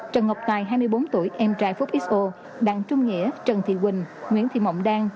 trần ngọc tài hai mươi bốn tuổi em trai phúc x o đặng trung nghĩa trần thị quỳnh nguyễn thị mộng đan